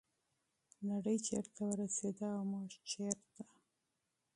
نړۍ چیرته ورسیده او موږ چیرته؟